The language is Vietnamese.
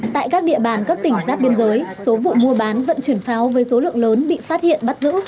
tại các địa bàn các tỉnh giáp biên giới số vụ mua bán vận chuyển pháo với số lượng lớn bị phát hiện bắt giữ